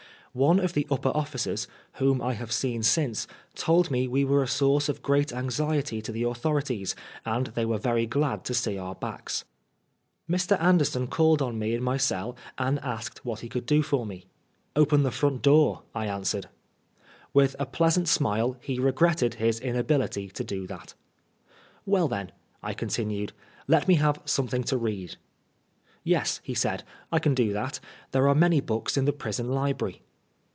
One of the upper ofioers, whom I have seen since, told me we were a source of great anxiety to the authorities, and they were very glad to see our backs. Mr. Anderson called on me in my cell and asked what he could do for me. " Open the front door," I answered. With a pleasant smile he regretted his inability to do that. " Well then," I continued, " let me have something to read." "Yes," he said, "I can do that. There are many books in the prison library."